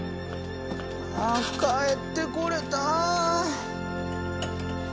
ああ帰ってこれた。